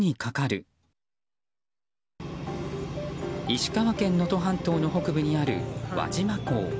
石川県能登半島の北部にある輪島港。